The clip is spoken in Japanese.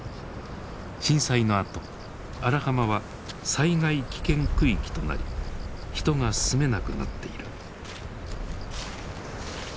震災のあと荒浜は災害危険区域となり人が住めなくなっている。